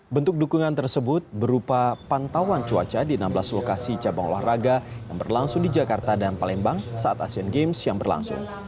bentuk dukungan tersebut berupa pantauan cuaca di enam belas lokasi cabang olahraga yang berlangsung di jakarta dan palembang saat asian games yang berlangsung